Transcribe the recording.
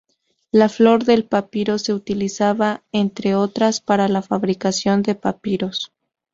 La flor del papiro se utilizaba, entre otras, para la fabricación de papiros.